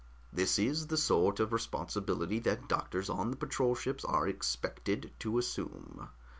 "This is the sort of responsibility that doctors on the patrol ships are expected to assume.